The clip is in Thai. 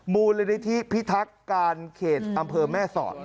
มูลนิธิพิทักษ์การเขตอำเภอแม่สอด